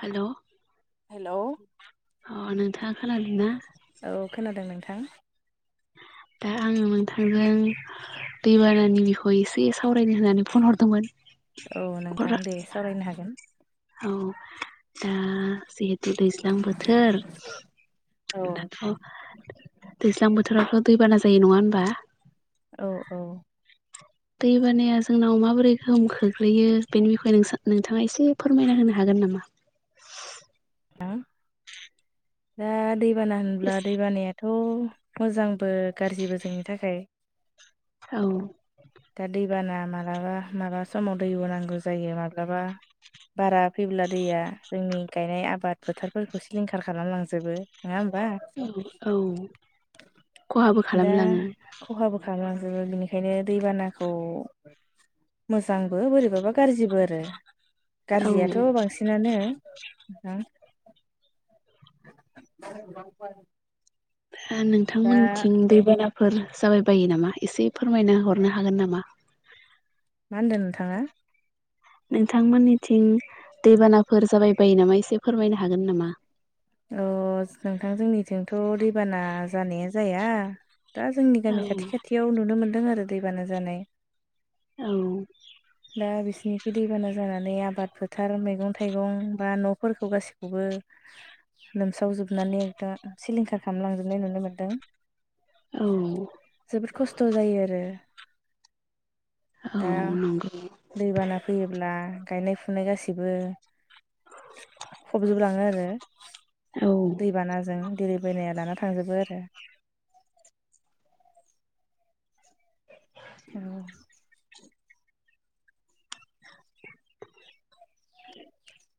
हेल' hello अ नोंथाङा खोनादों ना? औ खोनादों नोंथां। [inaudible] दा आङो नोंथांजों दैबानानि बिखय एसे सावरायनो होननानै फन हरदोंमोन। औ नोंथां दे सावरायनो हागोन। औ दा जिहेथु दैज्लां बोथोर दाथ' औ दैज्लां बोथोरावथ' दैबाना जायो नङा होनबा? औ औ। दै बानाया जोंनाव माबोरै गोहोम खोख्लैयो बेनि बिखय नोंथाङा एसे फोरमायना होनो हागोन नामा? दा दैबाना होनब्ला दैबानायाथ' मोजां बो गाज्रिबो जोंनि थाखाय। औ। दा दैबाना मालाबा माब्ला समाव दै बो नांगौ जायो माब्लाबा बारा फैब्ला दैया जोंनि गायनाय आबाद फोथारफोरखौ सिलिंखार खालामनानै लांजोबो नङा होमबा? होनबा औ औ खहाबो दा खालामलाङो खहाबो‌ खालामो आरो बिनिखायनो दैबानाखौ मोजांबो बोरैबाबा गाज्रिबो आरो। गाज्रियाथ' औ बांसिनानो हुम। [unintelligible] दा नोंथांमोनथिं दैबाना फोर जाबाय बायो नामा एसे फोरमायना हरनो हागोन नामा? मा होनदों नोंथाङा? नोंथांमोननिथिं दैबानाफोर जाबाय बायो नामा एसे फोरमायनो हागोन नामा? अ नोंथां जोंनिथिंथ' दैबाना जानाया जाया दा जोंनि औ गामि खाथि खाथियाव नुनो मोनदों आरो दैबाना जानाय। औ। दा बिसोरनिखै दैबाना जानानै आबाद फोथार मैगं थाइगं बा न'फोरखौ गासिखौबो लोमसावजोबनानै दा सिलिंखार खालामलांजोबनाय नुनो मोनदों। औ जोबोद खस्थ' जायो आरो। औ दा नं दैबाना फैयोब्ला गायनाय फुनाय गासिबो फबजोबलाङो आरो औ दैबानाजों। दै बनाया लाना थांजोबो आरो। औ। [inaudible]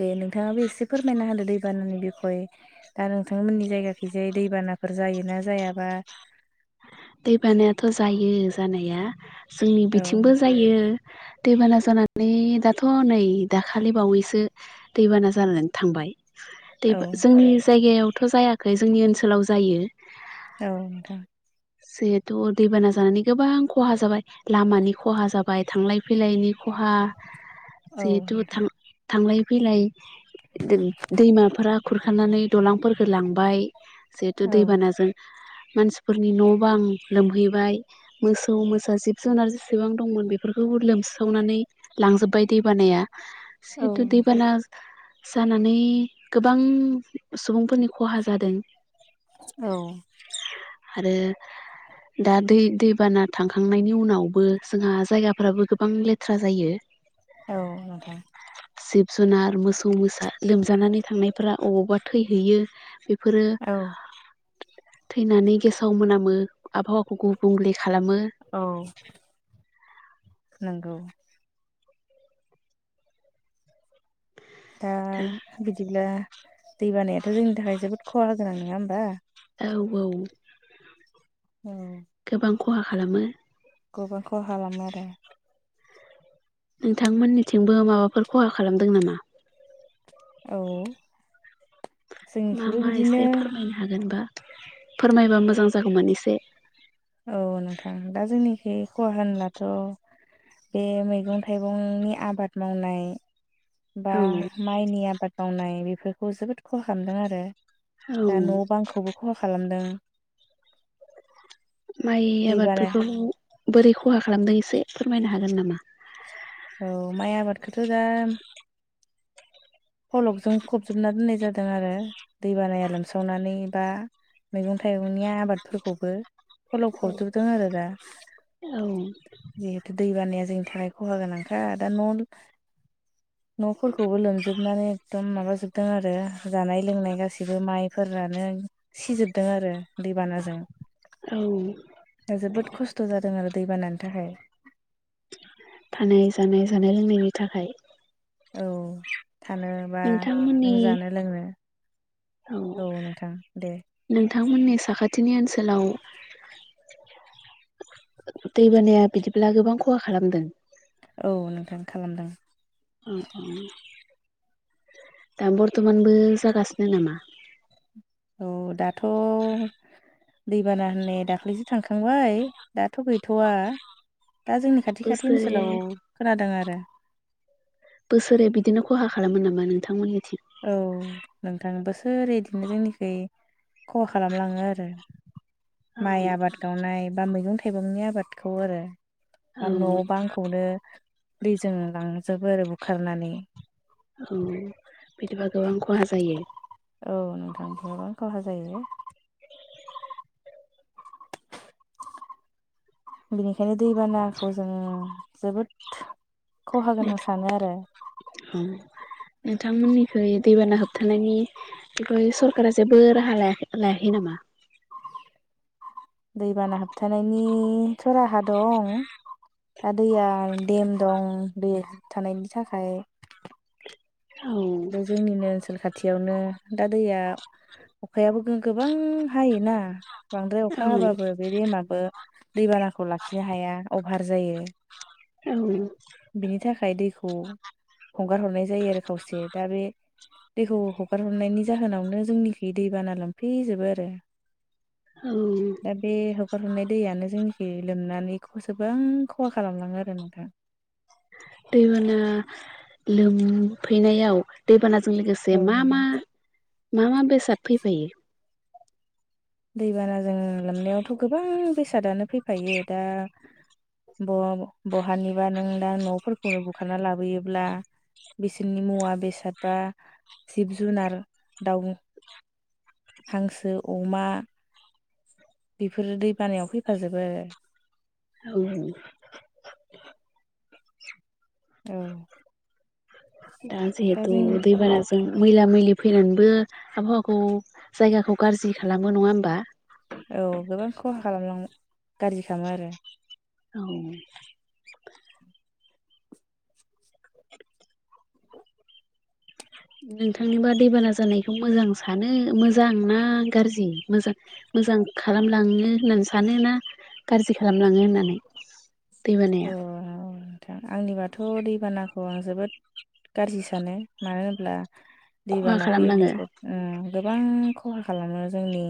दे नोंथाङाबो एसे फोरमायना होदो दैबानानि बिखय दा नोंथांमोननि जायगाखै जाय दैबा नाफोर जायोना जायाबा दै बानायाथ जायो जानाया जोंनि औ बिथिंबो जायो दैबाना जानानै दाथ नै दाखालि बावैसो दैबाना जानानै थांबाय औ दैबा जोंनि जायगायावथ जायाखै जोंनि ओनसोलाव जायो औ नोंथां जिहेथु दैबाना जानानै गोबां खहा जाबाय लामानि खहा जाबाय थांलाय फैलायनि खहा औ जिहेथु नोंथां थां-थांलाय फैलाय दोद दैमाफोरा खुरखानानै दालांफोरफोरखौ लांबाय जिहेथु औ दैबानाजों मानसिफोरनि न बां लोमहैबाय मोसौ मोसा जिब जुनार जेसेबां दंमोन बेफोरखौ लोमस्रावनानै लांजोबबाय दैबानाया औ जिहेथु नोंथां दैबाना जानानै गोबां सुबुंफोरनि खहा जादों औ आरो दा दै-दैबाना थांखांनायनि उनावबो जोंहा जायगाफ्राबो गोबां लेथ्रा जायो औ नोंथां जिब जुनार मोसौ मोसा लोमजानानै थांनायफोरा अबावबा थैहैयो बे बेफोरो औ थैनानै गेसाव मोनामो आबहावाखौ गुबुंले खालामो नोंगौ दा बिदिब्ला दै बानायाथ जोंनि थाखाय जोबोद खहा गोनां नङा होमबा औ औ औ गोबां खहा खालामो गोबां खहालामो आरो नोंथांमोननिथिंबो माबाफोर खहा खालामदों नामा औ मा जोंनिखिबो मा एसे बिदिनो फोरमायनो हागोनबा फोरमायबा मोजां जागौमोन एसे औ नोंथां दा जोंनिखै खहा होनब्लाथ बे मैगं थाइगंनि आबाद मावनाय बा औ माइनि आबाद मावनाय बेफोरखौ जोबोद खहा खालामदों आरो औ दा नबांखौबो खहा खालामदों माइ दैबाना आबादफोरखौ बोरै खहा खालामदों एसे फोरमायना हागोन नामा औ माइ आबादखौथ दा फलकजों फबजोबना दोननाय जादों आरो दै बानाया लोमसावनानै बा मैगं थाइगंनि आबादफोरखौबो फलाव औ फबजोबदों आरो दा जिहेथु दै बानाया जों थाखाय खहा गोनांखा दा न'-न'फोरखौबो लोमजोबनानै एक दम माबा जोबदों आरो जानाय लोंनाय गासैबो माइफोरानो सिजोबदों आरो दैबानाजों औ दा जोबोद खस्थ जादों आरो दै बानानि थाखाय थानाय जानाय जानाय लोंनायनि थाखाय औ थानो बा नोंथांमोननि नों जानो लोंनो औ नोंथां दे नोंथांमोननि साखाथिनि ओनसोलाव दैबानाया बिदिब्ला गोबां खहा खालामदों औ नोंथां खालामदों ओ उम दा बरथमानबो जागासिनो नामा? औ दाथ दैबाना होननाय दाख्लैसो थांखांबाय दाथ गैथवा। दा जोंनि खाथि खाथि बोसोरे ओनसोलाव खोनादों आरो बोसोरै बिदिनो खहा खालामो नामा नोंथांमोननि? औ नोंथां बोसोरे इदिनो जोंनिखै खहा खालामलाङो आरो। औ माइ आबाद गावनाय बा मैगं थाइगंनि आबादखौ आरो आरो न‌ बांखौनो दैजों लांजोबो आरो बुखारनानै। औ बिदिबा गोबां खहा जायो? औ नोंथां गोबां खहा जायो। बेनिखायनो दैबानाखौ जोंङो जोबोद खहा गोनां सानो आरो नोंथांमोन निखै दैबाना होबथानायनि थाखै सरकारा जेबो राहा लायाखै लायाखै नामा? [inaudible] दैबाना होबथा नायनिथ' राहा दं दा दैया देम दं दै होबथानायनि थाखाय औ बे जोंनिनो ओनसोल खाथ थियावनो दा दैया अखायाबो गोबां हायोना बांद्राय औ अखा हाबाबो बे देमाबो दैबानाखौ लाखिनो हाया अभार जायो। औ बिनि थाखाय दैखौ हगार हरनाय जायो आरो खावसे दा बे दैखौ हगार हरनायनि जाहोनावनो जोंनिखि दै बाना लोमफैजोबो आरो। औ दा बे हगार हरनाय दैयानो जोंनि खै लोमनानै खौसेबां गोबां खहा खालामलाङो आरो नोंथां। दैबाना लोमफैनायाव दैबाना जों लोगोसे औ मा मा नोंथां मा मा बेसाद फैफायो? दैबानाजों लोमनायावथ गोबां बेसादानो फैफायो दा ब बहानिबा नों दा नफोरखौनो बुखारना लाबोयोब्ला बिसोरनि मुवा बेसाद बा जिब जुनार दाउ हांसो, अमा बेफोरो दै बानायाव फैफाजोबो आरो। औ औ औ दा जिहेथु दैबानाजों मैला-मैलि फैनानैबो आबहावाखौ जायगाखौ गाज्रि खालामो नङा होमबा? औ गोबां खहा खालामलांङो गाज्रि खालामो आरो। औ नोंथांनोबा दैबाना जानायखौ मोजां सानो मोजां ना गारजि मोजां? मोजां खालामलाङो होननानै सानो ना गारजि? खालामलाङो होननानै दैबानाया आ आंनिबाथ दैबानाखौ आं जोबोद गारजि सानो मानो होनब्ला खहा दैबाना फैयोब्ला खालामलाङो गोब उम गोबां खहा खालामो जोंनि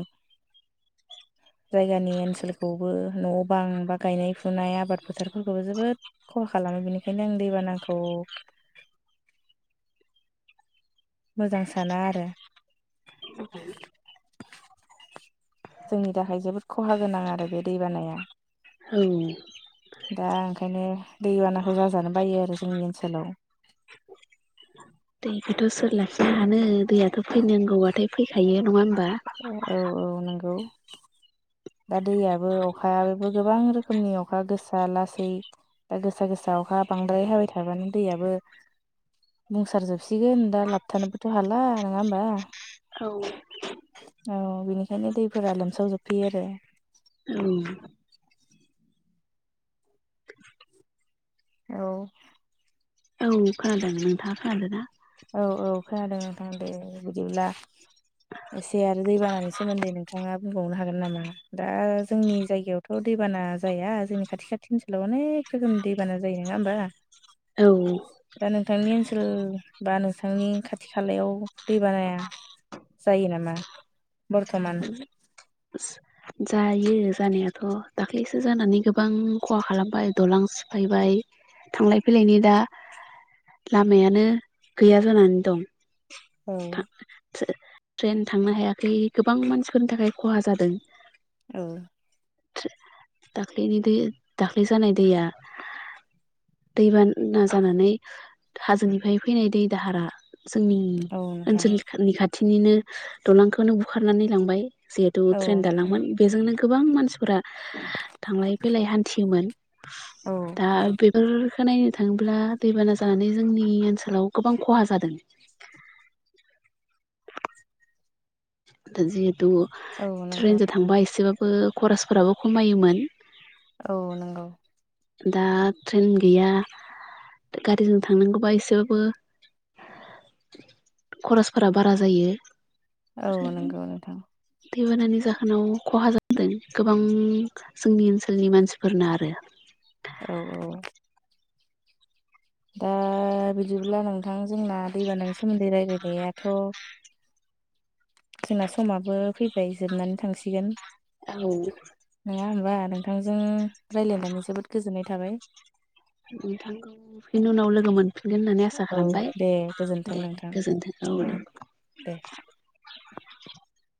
जायगानि ओनसोलखौबो न' बां बा गायनाय फुनाय आबाद फोथारफोरखौबो जोबोद खहा खालामो बेनिखायनो आं दैबानाखौ [inaudible] मोजां साना आरो। [inaudible] जोंनि थाखाय जोबोद खहा गोनां आरो बे दै बानाया औ दा ओंखायनो दै बानाखौ जाजानो बायो आरो जोंनि ओनसोलाव दैखौथ' सोर लाखिनो हानो दैयाथ' फैनांगौबथाय फैखायो नङा औ औ नंगौ। दा दैयाबो अखायाबो गोबां रोखोमनि अखा गोसा लासै दा गोसा गोसा अखा बांद्राय हाबाय थाबानो दैयाबो बुंसारजोबसिगोन दा लाबथानोबोथ' हाला नङा होमबा? औ औ बेनिखायनो दैफोरा लोमसावजोबफैयो आरो। औ औ औ खोनादों नोंथाङा खानादोंना? औ औ खोनादों नोंथां दे बिदिब्ला एसे आरो दैबानानि सोमोन्दै नोंथाङा बुंबावनो हागोन नामा दा जोंनि जायगायावथ' दैबाना बाना जाया जोंनि खाथि खाथि ओनसोलाव अनेक रोखोमनि दैबाना जायो नङा होमबा? औ दा नोंथांनि ओनसोल बा नोंथांनि खाथि खालायाव दै बानाया जायो नामा बरथमान? जायो जानायाथ' दाख्लैसो जानानै गोबां खहा खालामबाय दालां सिफायबाय थांलाय फैलायनि दा लामायानो गैया जानानै दं औ था ट्रे ट्रेन थांनो हायाखै गोबां मानसिफोरनि थाखाय खहा जादों। औ दाख्लिनि दै दाख्लै जानाय दैया दैबाना जानानै हाजोनिफ्राय फैनाय दै दाहारा जोंनि औ नोंथां। ओनसोलनि खाथिनिनो दालांखौनो बुखारनानै लांबाय जिहेथु औ ट्रेन दालांमोन बेजोंनो गोबां मानसिफोरा थांलाय फैलाय हान्थियोमोन औ दा बेफोर बेखौ नायनो थाङोब्ला दैबाना जानानै जोंनि ओनसोलाव गोबां खहा जादों दा जिहेथु औ नंगौ ट्रेनजों थांबा एसेबाबो बो खरसफोराबो खमायोमोन। औ नंगौ। दा ट्रेन गैया गारिजों थांनांगौबा एसेबाबो खरसफोरा बारा जायो। औ नंगौ नोंथां। दैबानानि जाहोनाव खहा जादों गोबां जोंनि ओनसोलनि मानसिफोर ना आरो औ औ दा बिदिब्ला नोंथां जोंना दैबानानि सोमोन्दै रायज्लायनायाथ' जोंना समाबो फैबाय जोबनानै थांसिगोन औ बिदिबा नोंथांजों रायज्लायनानै जोबोद गोजोननाय थाबाय। नोंथांजों बिनि उनाव लोगो फिनगोन होननानै आसा औ खालामबाय दे गोजोन्थों दे नोंथां गोजोन्थों औ। दे [inaudible]